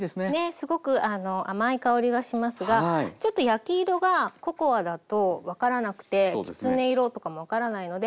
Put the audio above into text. すごく甘い香りがしますがちょっと焼き色がココアだと分からなくてきつね色とかも分からないので。